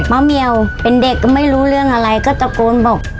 เมียวเป็นเด็กก็ไม่รู้เรื่องอะไรก็ตะโกนบอก